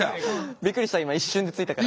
びっくりした今一瞬でついたから。